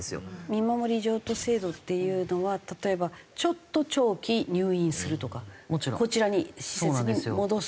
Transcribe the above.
見守り譲渡制度っていうのは例えばちょっと長期入院するとかこちらに施設に戻す。